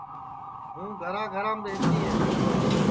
ہوں گھرا گھرام رہتی ہے